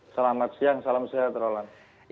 selamat siang salam sehat roland